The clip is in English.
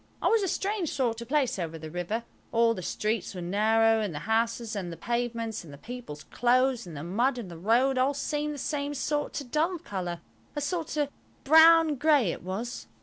It was a strange sort of place over the river; all the streets were narrow, and the houses and the pavements and the people's clothes and the mud in the road all seemed the same sort of dull colour–a sort of brown grey it was.